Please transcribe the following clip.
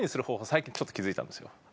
最近ちょっと気付いたんですよ。